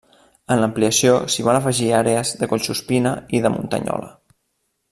En l'ampliació s'hi van afegir àrees de Collsuspina i de Muntanyola.